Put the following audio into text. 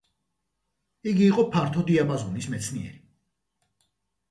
იგი იყო ფართო დიაპაზონის მეცნიერი.